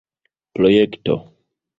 projekto